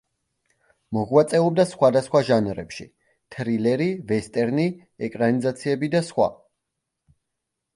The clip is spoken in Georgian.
მოღვაწეობდა სხვადასხვა ჟანრებში: თრილერი, ვესტერნი, ეკრანიზაციები და სხვა.